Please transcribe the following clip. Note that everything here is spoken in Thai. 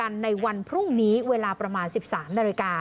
ในวันพรุ่งนี้เวลาประมาณ๑๓นาฬิกา